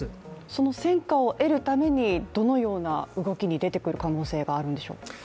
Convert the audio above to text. その戦果を得るために、どのような動きに出てくる可能性があるんでしょうか？